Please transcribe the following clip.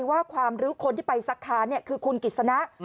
ว่าความรู้คนที่ไปสักค้านคือคุณกิจสนะ